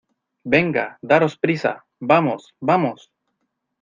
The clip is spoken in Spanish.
venga, daros prisa. vamos , vamos .